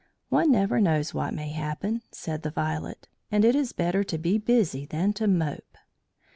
"One never knows what may happen," said the Violet; "and it is better to be busy than to mope."